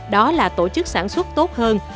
đó là tổ chức sản xuất tốt hơn